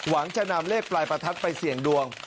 หวังจะนำเลขปลายประทัดไปเสี่ยงดวง